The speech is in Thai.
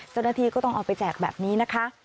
เจ้าหน้าที่ก็ต้องเอาไปแจกแบบนี้นะคะ